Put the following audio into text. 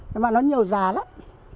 nhưng mà nó nhiều giá lắm